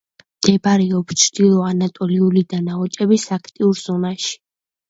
მდებარეობს ჩრდილო ანატოლიური დანაოჭების აქტიურ ზონაში.